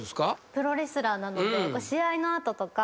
プロレスラーなので試合の後とか。